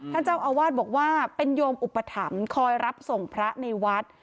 ท่านเจ้าอาวาสบอกว่าเป็นโยมอุปถัมภ์คอยรับส่งพระในวัด